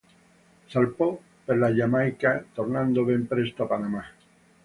Salpò per la Giamaica, tornando ben presto a Panama.